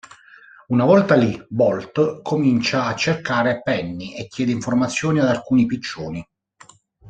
Una volta lì, Bolt comincia a cercare Penny e chiede informazioni ad alcuni piccioni.